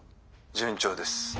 順調です。